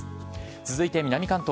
続いて南関東。